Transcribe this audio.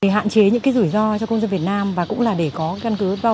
hạn chế những rủi ro cho công dân việt nam và cũng là để có căn cứ vào